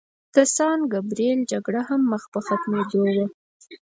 د سان ګبریل جګړه هم مخ په ختمېدو وه.